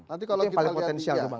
itu yang paling potensial memang ya